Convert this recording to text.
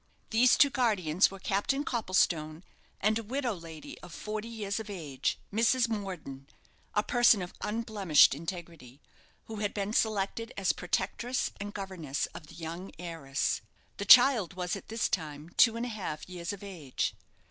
These two guardians were Captain Copplestone, and a widow lady of forty years of age, Mrs. Morden, a person of unblemished integrity, who had been selected as protectress and governess of the young heiress. The child was at this time two and a half years of age.